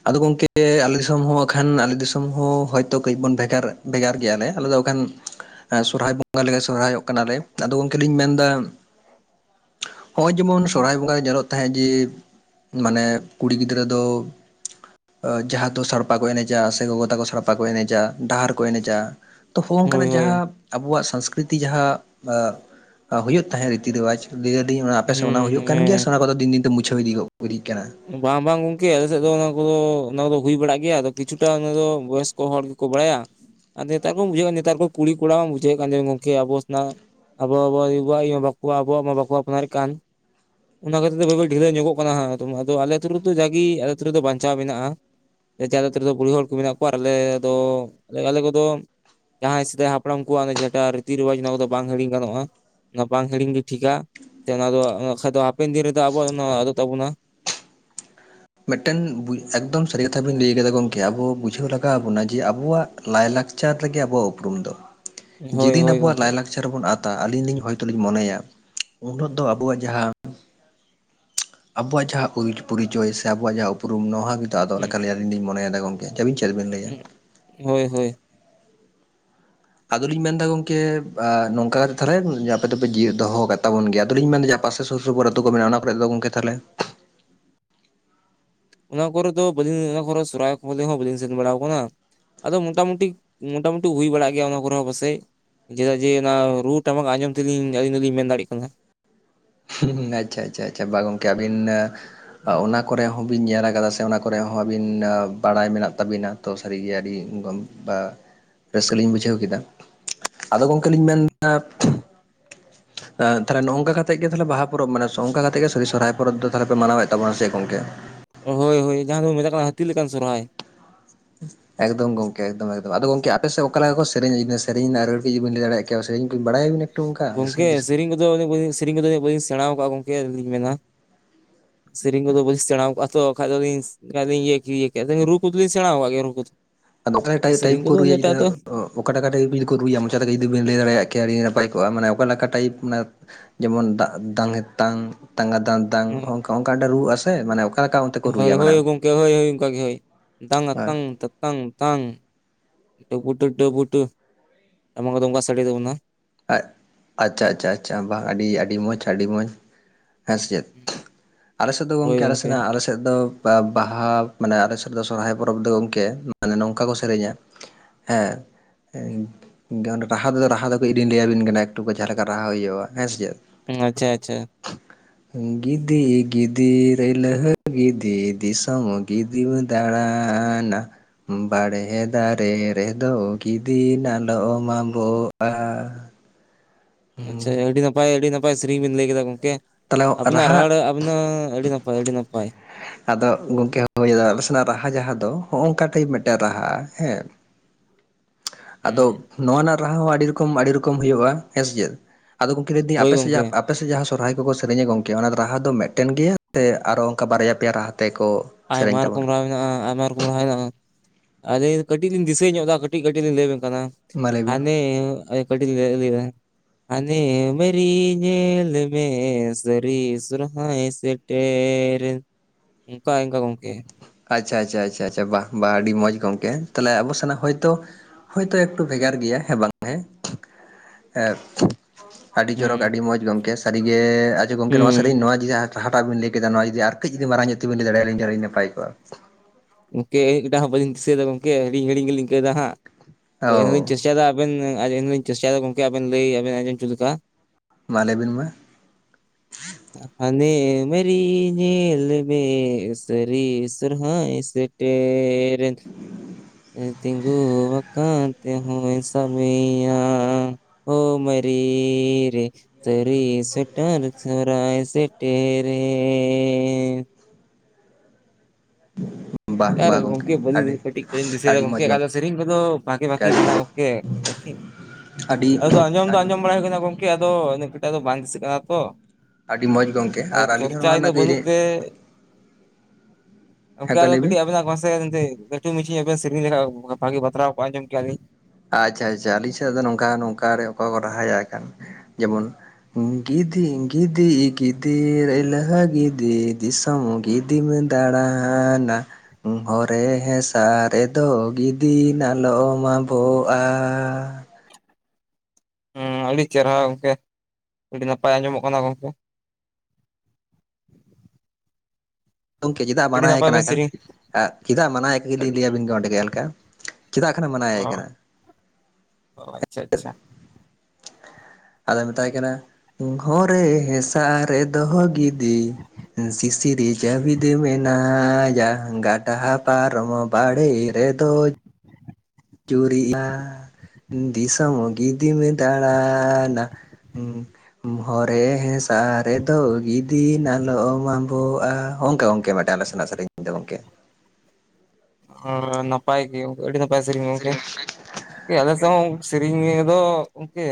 ᱟᱫᱚ ᱜᱚᱝᱠᱮ ᱟᱞᱮ ᱫᱤᱥᱚᱢ ᱦᱚᱸ ᱠᱷᱟᱱ ᱟᱞᱮ ᱫᱤᱥᱚᱢ ᱦᱚᱸ ᱦᱚᱭᱛᱚ ᱠᱟᱹᱡ ᱵᱚᱱ ᱵᱷᱮᱜᱟᱨ, ᱵᱷᱮᱜᱟᱨ ᱜᱮᱭᱟᱞᱮ ᱟᱞᱮ ᱫᱚ ᱠᱷᱟᱱ ᱥᱚᱨᱦᱟᱭ ᱵᱚᱸᱜᱟ ᱨᱮᱜᱮ ᱥᱚᱨᱚᱦᱟᱭᱼᱚᱜ ᱠᱟᱱᱟᱞᱮ ᱟᱫᱚ ᱜᱚᱢᱠᱮ ᱞᱤᱧ ᱢᱮᱱᱫᱟ ᱦᱚᱸᱜᱼᱚᱭ ᱡᱮᱢᱚᱱ ᱥᱚᱨᱦᱟᱭ ᱵᱚᱸᱜᱟᱨᱮ ᱧᱮᱞᱚᱜ ᱛᱟᱦᱮᱸᱫ ᱡᱮ ᱢᱟᱱᱮ ᱠᱩᱲᱤ ᱜᱤᱫᱽᱨᱟᱹ ᱫᱚ ᱡᱟᱦᱟᱸ ᱫᱚ ᱥᱟᱲᱯᱟ ᱠᱚ ᱮᱱᱮᱡᱟ ᱥᱮ ᱜᱚᱜᱚ ᱛᱟᱠᱚ ᱥᱟᱲᱯᱟ ᱠᱚ ᱮᱱᱮᱡᱟ ᱰᱟᱦᱟᱨ ᱠᱚ ᱮᱱᱮᱡᱟ ᱛᱚ ᱦᱚᱝᱠᱚᱱᱟ ᱦᱳᱭ ᱦᱳᱭ ᱡᱟᱦᱟᱸ ᱟᱵᱚᱣᱟᱜ ᱥᱚᱝᱥᱠᱨᱤᱛᱤ ᱡᱟᱦᱟᱸ ᱮᱸᱜ ᱦᱩᱭᱩᱜ ᱛᱟᱦᱮᱸᱫ ᱨᱤᱛᱤ ᱨᱮᱣᱟᱡᱽ᱾ ᱞᱟᱹᱭᱫᱟᱞᱤᱧ ᱚᱱᱟ ᱦᱩᱸ ᱟᱯᱮᱥᱮᱫ ᱚᱱᱟ ᱦᱩᱭᱩᱜ ᱠᱟᱱ ᱜᱮᱭᱟ ᱥᱮ ᱦᱮᱸ ᱚᱱᱟ ᱠᱚᱫᱚ ᱫᱤᱱ ᱫᱤᱱᱛᱮ ᱢᱩᱪᱷᱟᱹᱣ ᱤᱫᱤ ᱤᱫᱤᱜ ᱠᱟᱱᱟ? ᱵᱟᱝ ᱵᱟᱝ ᱜᱚᱝᱠᱮ ᱟᱞᱮ ᱥᱮᱫ ᱫᱚ ᱚᱱᱟ ᱠᱚᱫᱚ ᱚᱱᱟ ᱠᱚᱫᱚ ᱦᱩᱭ ᱵᱟᱲᱟᱜ ᱜᱮᱭᱟ ᱟᱫᱚ ᱠᱤᱪᱷᱩᱴᱟ ᱚᱱᱟ ᱫᱚ ᱵᱚᱭᱚᱥᱠᱚ ᱦᱚᱲ ᱜᱮᱠᱚ ᱵᱟᱲᱟᱭᱟ᱾ ᱟᱨ ᱱᱮᱛᱟᱨ ᱠᱩᱢ ᱵᱩᱡᱷᱟᱹᱣᱮᱜ ᱱᱮᱛᱟᱨ ᱠᱚ ᱠᱩᱲᱤ ᱠᱚᱲᱟ ᱢᱟᱢ ᱵᱩᱡᱷᱟᱹᱣᱮᱫ ᱠᱟᱱ‌ᱜᱮ ᱜᱚᱢᱠᱮ ᱟᱵᱚ ᱥᱮᱱᱟᱜ ᱟᱵᱚ ᱟᱵᱚᱣᱟᱜ ᱟᱵᱚᱣᱟᱜ ᱩᱭᱟᱹ ᱟᱵᱚᱣᱟᱜ ᱢᱟ ᱵᱟᱠᱚ ᱟᱯᱱᱟᱨ ᱠᱟᱱ᱾ ᱚᱱᱟ ᱠᱷᱟᱹᱛᱤᱨ ᱛᱮ ᱵᱟᱹᱭ-ᱵᱟᱹᱭ ᱰᱷᱤᱞᱟᱹᱣ ᱧᱚᱜᱚᱜ ᱠᱟᱱᱟ ᱦᱟᱸᱜ ᱟᱫᱚ ᱟᱞᱮ ᱟᱹᱛᱩ ᱨᱮᱫᱚ ᱡᱟᱜᱮ ᱟᱞᱮ ᱟᱹᱛᱩ ᱨᱮᱫᱚ ᱵᱟᱧᱪᱟᱣ ᱢᱮᱱᱟᱜᱼᱟ᱾ ᱡᱟᱫᱟ ᱛᱟᱹᱨ ᱨᱮ ᱫᱚ ᱵᱩᱲᱦᱤ ᱦᱚᱲ ᱠᱚ ᱢᱮᱱᱟᱜ ᱠᱚᱣᱟ ᱟᱞᱮ ᱫᱚ ᱟᱞᱮ ᱠᱚᱫᱚ ᱡᱟᱦᱟᱸᱭ ᱥᱮᱫᱟᱭ ᱦᱟᱯᱲᱟᱢ ᱠᱚᱣᱟᱜ ᱡᱮᱴᱟ ᱨᱤᱛᱤ ᱨᱮᱣᱟᱡᱽ ᱚᱱᱟ ᱠᱚᱫᱚ ᱵᱟᱝ ᱦᱤᱲᱤᱧ ᱜᱟᱱᱚᱜᱼᱟ᱾ ᱚᱱᱟ ᱵᱟᱝ ᱦᱤᱲᱤᱝ ᱜᱮ ᱴᱷᱤᱠᱼᱟ ᱥᱮ ᱚᱱᱟ ᱫᱚ ᱵᱟᱠᱷᱟᱡ ᱫᱚ ᱦᱟᱯᱮᱱ ᱫᱤᱱ ᱨᱮᱫᱚ ᱟᱵᱚᱣᱟᱜ ᱜᱮ ᱱᱚᱣᱟ ᱟᱫᱚᱜ ᱛᱟᱵᱚᱱᱟ᱾ ᱢᱮᱫᱴᱮᱱ ᱮᱠᱫᱚᱢ ᱥᱟᱹᱨᱤ ᱠᱟᱛᱷᱟ ᱵᱮᱱ ᱞᱟᱹᱭ ᱟᱠᱟᱫᱟ ᱜᱚᱝᱠᱮ ᱟᱵᱚ ᱵᱩᱡᱷᱟᱹᱣ ᱞᱟᱜᱟᱣ ᱵᱚᱱᱟ ᱡᱮ ᱟᱵᱚᱣᱟᱜ ᱞᱟᱭᱼᱞᱟᱠᱪᱟᱨ ᱨᱮᱜᱮ ᱟᱵᱚᱣᱟᱜ ᱩᱯᱨᱩᱢ ᱫᱚ ᱦᱳᱭ ᱡᱮᱫᱤᱱ ᱦᱳᱭ ᱟᱵᱚᱣᱟᱜ ᱜᱚᱝᱠᱮ ᱞᱟᱭᱼᱞᱟᱠ ᱨᱮᱵᱚᱱ ᱟᱛᱟ ᱟᱹᱞᱤᱧ ᱞᱤᱧ ᱦᱚᱭᱛ ᱞᱤᱧ ᱢᱚᱱᱮᱭᱟ ᱩᱱᱟᱹᱜ ᱫᱚ ᱟᱵᱚᱣᱟᱜ ᱡᱟᱦᱟᱸ ᱟᱵᱚᱣᱟᱜ ᱡᱟᱦᱟᱸ [unintelligible] ᱯᱚᱨᱤᱪᱚᱭ ᱥᱮ ᱟᱵᱚᱣᱟᱜ ᱡᱟᱦᱟᱸ ᱩᱯᱨᱩᱢ ᱱᱚᱣᱟ ᱦᱚᱸ ᱠᱤᱱᱛᱩ ᱟᱫᱚᱜ ᱞᱮᱠᱟᱞᱤᱧ ᱟᱹᱞᱤᱧᱞᱤᱧ ᱢᱚᱱᱮᱭᱫᱟ ᱜᱚᱝᱠᱮ᱾ ᱟ. ᱵᱤᱱ ᱪᱮᱫ ᱵᱮᱱ ᱞᱟᱹᱭᱟ ᱦᱳᱭ ᱦᱳᱭ ᱟᱫᱚᱞᱤᱧ ᱢᱮᱱᱮᱫᱟ ᱜᱚᱝᱠᱮ ᱱᱚᱝᱠᱟ ᱠᱟᱛᱮᱫ ᱛᱟᱞᱦᱮ ᱟᱯᱮ ᱫᱚᱯᱮ ᱡᱤᱣᱮᱫ ᱫᱚᱦᱚ ᱟᱠᱟᱫ ᱛᱟᱵᱚᱱ ᱜᱮᱭᱟ ᱟᱫᱚᱞᱤᱧ ᱢᱮᱱᱮᱫᱟ ᱯᱟᱥᱮ ᱥᱩᱨ ᱥᱩᱯᱩᱨ ᱨᱮ ᱟᱛᱳ ᱠᱚ ᱢᱮᱱᱟᱜᱼᱟ ᱚᱱᱟ ᱠᱚᱨᱮ ᱫᱚ ᱜᱚᱝᱠᱮ ᱛᱟᱦᱞᱮ ᱚᱱᱟ ᱠᱚᱨᱮ ᱫᱚ ᱵᱟᱹᱞᱤᱧ ᱞᱟᱹᱭ ᱚᱱᱟ ᱠᱚᱨᱮ ᱥᱚᱨᱦᱟᱭ ᱠᱚᱨᱮ ᱦᱚᱸ ᱵᱟᱹᱞᱤᱧ ᱥᱮᱱ ᱵᱟᱲᱟᱣᱟᱠᱟᱱᱟ ᱟᱫᱚ ᱢᱚᱴᱟᱢᱩᱴᱤ ᱢᱚᱴᱟᱢᱩᱴᱤ ᱦᱩᱭ ᱵᱟᱲᱟᱜ ᱜᱮᱭᱟ ᱚᱱᱟ ᱠᱚᱨᱮ ᱦᱚᱸ ᱯᱟᱥᱮᱡ ᱪᱮᱫᱟᱜ ᱡᱮ ᱚᱱᱟ ᱨᱩ ᱴᱟᱢᱟᱠ ᱟᱸᱡᱚᱢ ᱛᱮᱜᱤᱧ ᱟᱹᱞᱤᱧ ᱫᱚᱞᱤᱧ ᱢᱮᱱ ᱫᱟᱲᱮᱭᱟᱜ ᱠᱟᱱᱟ ᱟᱪᱪᱷᱟ ᱟᱪᱪᱷᱟ ᱟᱪᱪᱷᱟ ᱵᱟᱦ ᱜᱚᱝᱠᱮ ᱟᱹᱵᱤᱱ ᱚᱱᱟ ᱠᱚᱨᱮ ᱦᱚᱸ ᱵᱤᱱ ᱧᱮᱞ ᱟᱠᱟᱫᱟ ᱥᱮ ᱚᱱᱟ ᱠᱚᱨᱮ ᱦᱚᱸ ᱟᱹᱵᱤᱱ ᱵᱟᱲᱟᱭ ᱢᱮᱱᱟᱜ ᱛᱟᱵᱤᱱᱟ ᱛᱚ ᱥᱟᱹᱨᱤᱜᱮ ᱟᱹᱰᱤ ᱜᱚᱢ ᱵᱟ ᱨᱟᱹᱥᱠᱟᱹ ᱞᱤᱧ ᱵᱩᱡᱷᱟᱹᱣ ᱠᱮᱫᱟ ᱟᱫᱚ ᱜᱚᱝᱠᱮ ᱞᱤᱧ ᱢᱮᱱ ᱮᱸᱛ ᱟᱸ ᱛᱟᱞᱚᱦᱮ ᱱᱚᱝᱠᱟ ᱠᱟᱛᱮᱜ ᱜᱮ ᱛᱟᱞᱦᱮ ᱵᱟᱦᱟ ᱯᱚᱨᱚᱵᱽ ᱢᱟᱱᱮ ᱱᱚᱝᱠᱟ ᱠᱟᱛᱮᱫ ᱜᱮ ᱥᱟᱹᱨᱤ ᱥᱚᱨᱦᱟᱭ ᱯᱚᱨᱚᱵᱽ ᱫᱚ ᱛᱟᱦᱞᱮ ᱯᱮ ᱢᱟᱱᱟᱣᱮᱫ ᱛᱟᱵᱚᱱᱟ ᱥᱮ ᱜᱚᱝᱠᱮ᱾ ᱦᱳᱭ ᱦᱳᱭ ᱡᱟᱦᱟᱸ ᱫᱚᱵᱚᱱ ᱢᱮᱛᱟᱜ ᱠᱟᱱᱟ ᱦᱟᱹᱛᱤ ᱞᱮᱠᱟᱱ ᱥᱚᱨᱦᱟᱭ᱾ [inaudible] ᱮᱠᱫᱚᱢ ᱜᱚᱢᱠᱮ ᱮᱠᱫᱚᱢ ᱮᱠᱫᱚᱢ ᱟᱫᱚ ᱜᱚᱢᱠᱮ ᱟᱯᱮ ᱥᱮᱫ ᱚᱠᱟ ᱞᱮᱠᱟ ᱠᱚ ᱥᱮᱨᱮᱧᱟ ᱡᱩᱫᱤ ᱥᱮᱨᱮᱧ ᱨᱮᱱᱟᱜ ᱨᱟᱹᱲ ᱜᱮ ᱡᱩᱫᱤ ᱵᱤᱱ ᱞᱟᱹᱭ ᱫᱟᱲᱮᱭᱟᱜ ᱠᱮᱭᱟ ᱥᱮᱨᱮᱧ ᱠᱩ ᱵᱟᱲᱟᱭᱟᱵᱤᱱ ᱮᱠᱴᱩ ᱚᱱᱠᱟ ᱫᱤᱥᱟᱹ ᱜᱚᱢᱠᱮ ᱫᱤᱥ ᱥᱮᱨᱮᱧ ᱠᱚᱫᱚ ᱩᱱᱟᱹᱜ ᱵᱟᱹᱞᱤᱧ ᱥᱮᱨᱮᱧ ᱠᱚᱫᱚ ᱵᱟᱹᱞᱤᱧ ᱥᱮᱬᱟ ᱟᱠᱟᱫᱼᱟ ᱜᱚᱢᱠᱮ ᱟᱹᱞᱤᱧ ᱫᱚᱞᱤᱧ ᱢᱮᱱᱼᱟ᱾ ᱥᱮᱨᱮᱧ ᱠᱚᱫᱚ ᱵᱟᱹᱧ ᱥᱮᱬᱟᱣᱟᱠᱟᱜᱼᱟ ᱛᱚ ᱵᱟᱠᱷᱟᱡ ᱫᱚᱞᱤᱧ ᱵᱟᱠᱷᱟᱡ ᱫᱚ ᱞᱤᱧ ᱤᱭᱟᱹ ᱠᱮᱭᱟ ᱨᱩ ᱠᱚᱫᱚ ᱞᱤᱧ ᱥᱮᱬᱟᱣᱟᱠᱟᱫ ᱜᱮᱭᱟ ᱨᱩ ᱠᱚᱫᱚ᱾ ᱟᱫᱚ ᱚᱠᱟ ᱴᱟᱭ ᱴᱟᱭᱤᱢ ᱥᱮᱨᱮᱧ ᱠᱚ ᱠᱚᱫᱚ ᱨᱩᱭᱟ ᱡᱩᱫᱤ ᱤᱱᱟᱹᱴᱟᱜ ᱦᱟᱸᱜ ᱫᱚ ᱚᱠᱟ ᱞᱮᱠᱟ ᱴᱟᱭᱤᱯ ᱡᱩᱫᱤ ᱨᱩᱭᱟ ᱢᱚᱪᱟ ᱛᱮᱜᱮ ᱡᱩᱫᱤ ᱵᱤᱱ ᱞᱟᱹᱭ ᱫᱟᱲᱮᱭᱟᱜ ᱠᱮᱭᱟ ᱟᱹᱰᱤ ᱱᱟᱯᱟᱭ ᱠᱚᱜᱼᱟ ᱢᱟᱱᱮ ᱚᱠᱟ ᱞᱮᱠᱟ ᱴᱟᱭᱤᱯ ᱡᱮᱢᱚᱱ ᱫᱟᱜ-ᱫᱟ ᱦᱮᱛᱟᱝ ᱦᱮᱛᱟᱝ ᱫᱟᱫᱟᱝ ᱦᱚᱸᱜ-ᱚᱝᱠᱟ, ᱦᱚᱸᱜ-ᱚᱱᱠᱟ ᱢᱤᱫᱴᱟᱝ ᱨᱩᱣᱟᱹᱜ ᱟᱥᱮ ᱢᱟᱱᱮ ᱞᱮᱠᱟ ᱚᱱᱛᱮ ᱠᱚ ᱨᱩᱭᱟ ᱦᱳᱭ ᱢᱟᱱᱮ ᱦᱳᱭ ᱜᱚᱢᱠᱮ ᱦᱳᱭ ᱦᱳᱭ ᱚᱝᱠᱟᱜ ᱜᱮ ᱦᱳᱭ ᱫᱟᱝ ᱟᱛᱟᱝ ᱛᱟᱝ ᱛᱟᱝ ᱛᱟᱝ ᱰᱩᱯᱩᱴ ᱰᱩᱴᱩᱴ ᱴᱟᱢᱟᱠ ᱫᱚ ᱚᱝᱠᱟ ᱥᱟᱰᱮ ᱛᱟᱵᱚᱱᱟ ᱟᱪᱪᱷᱟ ᱟᱪᱪᱷᱟ ᱟᱪᱪᱷᱟ ᱵᱟᱝ ᱟᱹᱰᱤ ᱟᱹᱰᱤ ᱢᱚᱡᱽ ᱟᱹᱰᱤ ᱢᱚᱡᱽ ᱦᱮᱸ ᱪᱮᱫ ᱟᱞᱮ ᱥᱮᱫ ᱫᱚ ᱜᱚᱝᱠᱮ ᱟᱱᱟ ᱟᱞᱮ ᱥᱮᱫ ᱫᱚ ᱵᱟᱦᱟ ᱢᱟᱱᱮ ᱟᱞᱮ ᱥᱮᱫ ᱫᱚ ᱥᱚᱨᱦᱟᱭ ᱯᱚᱨᱚᱵᱽ ᱫᱚ ᱜᱚᱢᱠᱮ ᱢᱟᱱᱮ ᱱᱚᱝᱠᱟ ᱠᱚ ᱥᱮᱨᱮᱧᱟ ᱦᱮᱸ ᱜᱚᱝᱠᱮ ᱚᱱᱟ ᱨᱟᱦᱟ ᱛᱮᱫᱚ ᱨᱟᱦᱟ ᱫᱚ ᱤᱧᱤᱧ ᱞᱟᱹᱭ ᱟ. ᱵᱤᱱ ᱠᱟᱱᱟ ᱮᱠᱴᱩ ᱠᱚ ᱡᱟᱦᱟᱸ ᱞᱮᱠᱟ ᱨᱟᱦᱟ ᱦᱩᱭᱩᱜᱼᱟ ᱦᱮᱸ ᱥᱮ ᱟᱪᱪᱷᱟ ᱟᱪᱪᱷᱟ ᱪᱮᱫ ᱜᱤᱫᱤ ᱜᱤᱫᱤ ᱜᱤᱫᱤ ᱨᱟᱹᱭᱞᱟᱹ ᱜᱤᱫᱤ ᱫᱤᱥᱚᱢ ᱜᱤᱫᱤᱢ ᱫᱟᱬᱟᱱᱟ ᱵᱟᱲᱮ ᱫᱟᱨᱮ ᱨᱮᱫᱚ ᱜᱤᱫᱤ ᱱᱟᱞᱚᱢ ᱟᱵᱚᱜ ᱟᱻ ᱟᱪᱪᱷᱟ ᱟᱹᱰᱤ ᱱᱟᱯᱟᱭ ᱟᱹᱰᱤ ᱱᱟᱯᱟᱭ ᱥᱮᱨᱮᱧ ᱵᱤᱱ ᱞᱟᱹᱭ ᱠᱮᱫᱟ ᱜᱚᱝᱠᱮ ᱛᱟᱦᱚᱞᱮ ᱟ. ᱵᱤᱱᱟᱜ ᱨᱟᱦᱟ ᱨᱚᱲ ᱚᱱᱟ ᱟᱹᱰᱤ ᱱᱟᱯᱟᱭ ᱟᱹᱰᱤ ᱱᱟᱯᱟᱭ ᱟᱫᱚ ᱜᱚᱢᱠᱮ ᱦᱳᱭ ᱟᱫᱚ ᱟᱞᱮ ᱥᱮᱱᱟᱜ ᱨᱟᱦᱟ ᱡᱟᱦᱟᱸ ᱫᱚ ᱱᱚᱜᱼᱚᱭ ᱱᱚᱝᱠᱟ ᱴᱟᱭᱤᱯ ᱢᱤᱫᱴᱮᱱ ᱨᱟᱦᱟᱜᱼᱟ ᱦᱮᱸ ᱟᱫᱚ ᱱᱚᱣᱟ ᱨᱮᱱᱟᱜ ᱨᱟᱦᱟ ᱦᱚᱸ ᱟᱹᱰᱤ ᱨᱚᱠᱚᱢ ᱟᱹᱰᱤ ᱨᱚᱠᱚᱢ ᱦᱩᱭᱩᱜᱼᱟ ᱦᱮᱸᱥᱮ ᱡᱮ ᱟᱫᱚ ᱜᱚᱢᱠᱮ [unintelligible] ᱫᱤᱧ ᱦᱳᱭ ᱟᱯᱮ ᱜᱚᱝᱠᱮ ᱥᱮᱭᱟᱜ ᱟᱯᱮᱥᱮᱫ ᱡᱟᱦᱟᱸ ᱥᱚᱨᱦᱟᱭ ᱠᱚᱠᱚ ᱥᱮᱨᱮᱧᱟ ᱜᱚᱝᱠᱮ ᱚᱱᱟ ᱨᱟᱦᱟ ᱫᱚ ᱢᱤᱫᱴᱮᱱ ᱜᱮᱭᱟ ᱥᱮ ᱟᱨᱚ ᱚᱱᱠᱟ ᱵᱟᱨᱭᱟ ᱯᱮᱭᱟ ᱨᱟᱦᱟ ᱛᱮᱠᱚ ᱥᱮᱨᱮᱧ ᱟᱭᱢᱟ ᱛᱟᱵᱚᱱ ᱨᱚᱠᱚᱢ ᱨᱟᱦᱟ ᱢᱮᱱᱟᱜᱼᱟ ᱟᱭᱢᱟ ᱨᱚᱠᱚᱢ ᱨᱟᱜᱽ ᱢᱮᱱᱟᱜᱼᱟ ᱟᱹᱞᱤᱧ ᱠᱟᱹᱴᱤᱡ ᱞᱤᱧ ᱫᱤᱥᱟᱹ ᱧᱚᱜ ᱮᱫᱟ ᱠᱟᱹᱴᱤᱡ ᱠᱟᱹᱴᱤᱡ ᱞᱤᱧ ᱞᱟᱹᱭ ᱟ. ᱵᱤᱱ ᱠᱟᱱᱟ ᱜᱮᱭᱟ ᱢᱟ ᱞᱟᱹᱭ ᱵᱤᱱ ᱦᱟᱱᱮ ᱠᱟᱹᱴᱤᱡ [unintelligible] ᱦᱟᱱᱮ ᱢᱤᱭᱨᱤ ᱧᱮᱞ ᱢᱮ ᱥᱟᱹᱨᱤ ᱥᱚᱨᱦᱟᱭ ᱥᱮᱴᱮᱨ ᱥᱮᱴᱮᱨ ᱮᱱ [unintelligible] ᱚᱱᱠᱟ ᱚᱱᱠᱟ ᱜᱚᱝᱠᱮ ᱟᱪᱪᱷᱟ ᱟᱪᱪᱷᱟ ᱟᱪᱪᱷᱟ ᱵᱟᱝ ᱟᱹᱰᱤ ᱢᱚᱸᱡᱽ ᱜᱚᱢᱠᱮ ᱛᱟᱦᱚᱞᱮ ᱟᱵᱚ ᱥᱮᱱᱟᱜ ᱦᱚᱭᱛᱳ ᱦᱳᱭᱛᱳ ᱮᱠᱴᱩ ᱵᱷᱮᱜᱟᱨ ᱜᱮᱭᱟ ᱦᱮᱸ ᱵᱟᱝ ᱦᱮᱸ ᱟᱹᱰᱤ ᱦᱩᱸ ᱪᱚᱨᱚᱠ ᱟᱹᱰᱤ ᱢᱚᱸᱡᱽ ᱜᱚᱢᱠᱮ ᱥᱟᱹᱨᱤᱜᱮ ᱟᱪᱪᱷᱟ ᱜᱚᱝᱠᱮ ᱱᱚᱣᱟ ᱥᱟᱹᱨᱤ ᱦᱩᱸ ᱱᱚᱣᱟ ᱡᱟᱦᱟᱸ ᱴᱟᱜ ᱵᱤᱱ ᱞᱟᱹᱭ ᱠᱮᱫᱟ ᱱᱚᱣᱟ ᱡᱩᱫᱤ ᱟᱨᱠᱟ. ᱡ ᱡᱩᱫᱤ ᱢᱟᱨᱟᱝᱚᱜ ᱛᱮᱵᱤᱱ ᱞᱟᱹᱭ ᱫᱟᱲᱮ ᱟᱹᱞᱤᱧ ᱠᱷᱟᱱ ᱱᱟᱯᱟᱭ ᱠᱚᱜᱼᱟ ᱜᱚᱝᱠᱮ ᱢᱤᱫᱴᱟᱝ ᱵᱟ. ᱞᱤᱧ ᱫᱤᱥᱟᱹᱭᱮᱫᱟ ᱜᱚᱢᱠᱮ ᱦᱤᱲᱤᱧ ᱦᱤᱲᱤᱧ ᱜᱮᱞᱤᱧ ᱟ. ᱭᱠᱟᱹᱭ ᱮᱫᱟ ᱦᱟᱸᱜ ᱚ ᱮᱱᱦᱚᱸᱞᱤᱧ ᱪᱮᱥᱴᱟᱭ ᱮᱫᱟ ᱟᱵᱮᱱ ᱟ. ᱞᱤᱧ ᱪᱮᱥᱴᱟᱭᱮᱫᱟ ᱜᱚᱝᱠᱮ ᱟᱵᱮᱱ ᱞᱟᱹᱭ ᱟᱵᱤᱱ ᱟᱸᱡᱚᱢ ᱪᱚ ᱞᱮᱠᱟ ᱢᱟ ᱞᱟᱹᱭᱵᱮᱱ ᱢᱟ ᱦᱟᱱᱮ ᱢᱨᱤ ᱧᱮᱞ ᱢᱮ ᱥᱟᱹᱨᱤ ᱥᱚᱦᱨᱟᱭ ᱥᱮ ᱴᱮᱨᱮᱱ ᱛᱤᱸᱜᱩ ᱟᱠᱟᱱ ᱛᱮᱦᱚᱭ ᱥᱟᱵᱤᱭᱟ ᱚ ᱢᱮᱨᱤ ᱨᱮᱻ ᱪᱟ. ᱨᱤ ᱥᱮᱴᱟᱨ ᱥᱚᱨᱦᱟᱭ ᱥᱮᱴᱮᱨᱮᱱᱻ [unintelligible] ᱟᱨ ᱵᱟ ᱜᱚᱝᱠᱮ ᱜᱚᱢᱠᱮ ᱵᱟ. ᱧ ᱟᱹᱰᱤ ᱠᱟᱹᱴᱤᱡ ᱫᱤᱥᱟ. ᱭ ᱟᱹᱰᱤ ᱫᱟ ᱢᱚᱸᱡᱽ ᱜᱚᱢᱠᱮᱞ ᱜᱚᱝᱠᱮ ᱟᱴᱷᱟᱢ ᱥᱮᱨᱮᱧ ᱠᱚᱫᱚ ᱵᱷᱟᱜᱤ ᱵᱷᱟᱜᱤ ᱟᱹᱰᱤ ᱢᱚᱸᱡᱽ ᱢᱮᱱᱟᱜ ᱠᱮ ᱟᱹᱰᱤ ᱟᱸᱡᱚᱢ ᱫᱚ ᱟᱹᱰᱤ ᱟᱸᱡᱚᱢ ᱵᱟᱲᱟ ᱦᱳᱭ ᱠᱟᱱᱟ ᱜᱚᱝᱠ ᱟᱫᱚ ᱵᱟᱝ ᱥᱤ ᱠᱟᱱᱟ ᱛᱚ [unintelligible] ᱟᱹᱰᱤ ᱢᱚᱸᱡᱽ ᱜᱚᱝᱠᱮ ᱟᱫᱚ ᱟᱨ ᱟᱹᱞᱤᱧ ᱦᱚᱸ ᱱᱚᱣᱟ ᱪᱚᱨᱪᱟ ᱨᱮᱱᱟᱜ ᱤᱱᱟᱹ ᱛᱮᱜᱮ ᱵᱟᱹᱱᱩᱜ ᱞᱤᱧ ᱛᱮ ᱦᱮᱸ ᱜᱚ ᱞᱟᱹᱭ ᱵᱤᱱ ᱚᱱᱠᱟ ᱠᱟᱹᱴᱤᱡ [unintelligible] ᱟᱪᱪᱷᱟ ᱟᱪᱪᱷᱟ ᱟᱹᱞᱤᱧ ᱥᱮᱫ ᱫᱚ ᱱᱚᱝᱠᱟ ᱱᱚᱝᱠᱟ ᱚᱠᱟ ᱠᱚ ᱨᱟᱦᱟᱭᱟ ᱠᱟᱱ ᱡᱮᱢᱚᱱ ᱜᱤᱫᱤ ᱜᱤᱫᱤ ᱜᱤᱫᱤ ᱨᱟ. ᱭᱞᱟ. ᱜᱤᱫᱤ ᱫᱤᱥᱚᱢ ᱜᱤᱫᱤ ᱜᱤᱫᱤᱢ ᱫᱟᱬᱟᱱᱟ ᱦᱚᱨᱮ ᱦᱮᱸᱥᱟ ᱨᱮᱫᱚ ᱜᱤᱫᱤ ᱱᱟᱞᱚᱢ ᱟᱵᱚᱜᱼᱟ ᱦᱮᱸ ᱟᱹᱰᱤ ᱪᱮᱨᱦᱨᱟ ᱜᱚᱝᱠᱮ ᱟᱹᱰᱤ ᱱᱟᱯᱟᱭ ᱟᱸᱡᱚᱢᱚᱜ ᱠᱟᱱᱟ ᱜᱚᱝᱠᱮ ᱜᱚᱝᱠᱮ ᱪᱮᱫᱟᱜ ᱟᱹᱰᱤ ᱢᱟᱱᱟᱣᱮ ᱱᱟᱯᱟᱭ ᱠᱟᱱᱟ ᱵᱮᱱ ᱠᱤᱱ ᱥᱮᱨᱮᱧ ᱪᱮᱫᱟᱜ ᱢᱟᱱᱟᱣᱮ ᱞᱤᱧ ᱞᱟᱹᱭᱟᱵᱤᱱ ᱜᱮ ᱚᱸᱰᱮ ᱜᱮ ᱦᱟᱞᱠᱟ ᱪᱮᱫᱟᱜ ᱠᱷᱟᱱᱮᱢ ᱢᱟᱱᱟᱭᱮ ᱠᱟᱱᱟ ᱚ ᱟᱪᱪᱷᱟ ᱟᱪᱪᱷᱟ ᱟᱫᱚᱭ ᱢᱮᱛᱟᱭ ᱠᱟᱱᱟ ᱜᱷᱚᱨᱮ ᱦᱮᱸᱥᱟᱜ ᱨᱮᱫᱚ ᱜᱤᱫᱤ ᱥᱤᱥᱤᱨ ᱡᱟᱹᱣᱤᱫ ᱢᱮᱱᱟᱭᱟ ᱜᱟᱰᱟ ᱯᱟᱨᱚᱢ ᱵᱟᱲᱮ ᱨᱮᱫᱚ ᱡᱩᱨᱤ ᱞᱟ ᱫᱤᱥᱚᱢ ᱜᱤᱫᱤᱢ ᱫᱟᱬᱟᱱᱟ ᱩ ᱦᱚᱨᱮ ᱦᱮᱸᱥᱟ ᱨᱮᱫᱚ ᱜᱤᱫᱤ ᱱᱟᱞᱚ ᱟᱵᱚᱜᱼᱟ ᱦᱚᱜ ᱚ ᱱᱚᱝᱠᱟᱱ ᱜᱚᱝᱠᱮ ᱢᱤᱫᱴᱟᱝ ᱟᱞᱮ ᱥᱟᱱᱟᱜ ᱥᱮᱨᱮᱧ ᱫᱚ ᱜᱚᱢᱠᱮ ᱱᱟᱯᱟᱭ ᱜᱮ ᱟᱹᱰᱤ ᱱᱟᱯᱟᱭ ᱥᱮᱨᱮᱧ ᱜᱚᱢᱠᱮ ᱟᱞᱮ ᱥᱟᱫ ᱥᱮᱨᱮᱧ ᱤᱭᱟᱹ ᱫᱚ ᱜᱚᱝᱠᱮ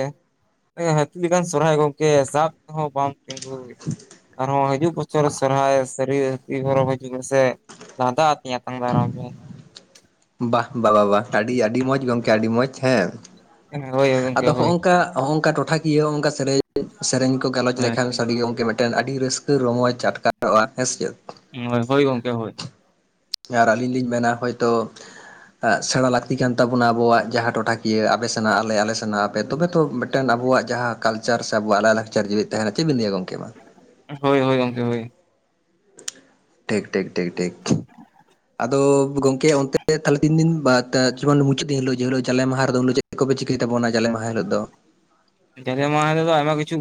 ᱦᱟᱹᱛᱤ ᱞᱮᱠᱟᱱ ᱥᱚᱨᱦᱟᱭ ᱜᱚᱝᱠᱮ ᱥᱟᱵ ᱛᱮᱦᱚᱸ ᱵᱟᱢ ᱛᱤᱸᱜᱩ ᱟᱨᱦᱚᱸ ᱦᱤᱡᱩᱜ ᱵᱚᱪᱷᱚᱨ ᱥᱚᱦᱨᱟᱭ ᱥᱟᱹᱨᱤ ᱜᱚᱨᱚᱵᱽ ᱦᱤᱡᱩᱜ ᱢᱮᱥᱮ ᱞᱟᱫᱟ ᱟᱛᱮ ᱟᱛᱟᱝ ᱫᱟᱨᱟᱢ ᱢᱮ ᱵᱟ ᱵᱟᱵᱟ ᱟᱹᱰᱤ ᱟᱹᱰᱤ ᱢᱚᱸᱡᱽ ᱜᱚᱝᱠᱮ ᱟᱹᱰᱤ ᱢᱚᱸᱡᱽ ᱦᱮᱸ᱾ ᱦᱳᱭ ᱜᱚᱝᱠᱮ ᱟᱫᱚ ᱦᱚᱸᱜᱼᱚ ᱦᱳᱭ ᱚᱝᱠᱟ ᱱᱚᱜᱼᱚᱭ ᱱᱚᱠᱟ ᱴᱚᱴᱷᱟ ᱠᱤᱭᱟᱹ ᱦᱚᱸᱜᱠᱟ ᱥᱮ ᱥᱮᱨᱮᱧ ᱠᱚ ᱜᱟᱞᱚᱪ ᱞᱮᱠᱷᱟᱱ ᱥᱟᱹᱨᱤᱜᱮ ᱜᱚᱢᱠᱮ ᱢᱤᱫᱴᱮᱱ ᱟᱹᱰᱤ ᱨᱟᱹᱥᱠᱟᱹ ᱨᱚᱢᱚᱡᱽ ᱟᱴᱠᱟᱨᱚᱜᱼᱟ, ᱦᱮᱸ ᱥᱮ ᱮ ᱦᱳᱭ ᱜᱚᱝᱠᱮ ᱦᱳᱭ ᱟᱨ ᱟᱹᱞᱤᱧ ᱞᱤᱧ ᱢᱮᱱᱟ ᱦᱳᱭ ᱛᱚ ᱥᱮᱬᱟ ᱞᱟᱹᱠᱛᱤ ᱠᱟᱱ ᱛᱟᱵᱚᱱᱟ ᱟᱵᱚᱣᱟᱜ ᱡᱟᱦᱟᱸ ᱴᱚᱴᱷᱟ ᱠᱤᱭᱟᱹ ᱟᱯᱮ ᱥᱮᱱᱟᱜ ᱟᱞᱮ ᱟᱞᱮᱥᱮᱱᱟᱜ ᱯᱮ ᱛᱚᱵᱮ ᱛᱚ ᱢᱤᱫᱴᱮᱱ ᱟᱵᱚᱣᱟᱜ ᱡᱟᱦᱟᱸ ᱠᱟᱞᱪᱟᱨ ᱥᱮ ᱟᱵᱚᱣᱟᱜ ᱞᱟᱭ ᱞᱟᱠᱪᱟᱨ ᱡᱤᱣᱤᱫ ᱛᱟᱦᱮᱱᱟ ᱪᱮᱫᱵᱤᱱ ᱞᱤᱭᱟᱹ ᱜᱚᱢᱠᱮ ᱢᱟ ᱦᱳᱭ ᱦᱳᱭ ᱜᱚᱝᱠᱮ ᱦᱳᱭ ᱴᱷᱤᱠ ᱴᱷᱤᱠ ᱴᱷᱤᱠ ᱴᱷᱤᱠ ᱟᱫᱚ ᱜᱚᱝᱠᱮ ᱚᱱᱛᱮ ᱛᱟᱦᱞᱮ ᱛᱤᱱ ᱫᱤᱱ ᱵᱟᱛ ᱢᱩᱪᱟᱹᱫ ᱫᱤᱱ ᱦᱤᱞᱳᱜ ᱡᱟᱞᱮ ᱢᱟᱦᱟ ᱨᱮ ᱩᱱ ᱫᱚ ᱪᱮᱫ ᱪᱮᱫ ᱠᱚᱯᱮ ᱪᱤᱠᱟᱹᱭ ᱛᱟᱵᱚᱱᱟ ᱡᱟᱞᱮ ᱢᱟᱦᱟ ᱦᱤᱞᱳᱜ ᱫᱚ? ᱦᱟᱞᱮ ᱢᱟᱦᱟ ᱦᱤᱞᱚᱜ ᱫᱚ ᱟᱭᱢᱟ ᱠᱤᱪᱷᱩ